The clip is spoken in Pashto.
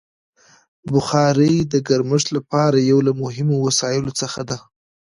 بخاري د ګرمښت لپاره یو له مهمو وسایلو څخه ده.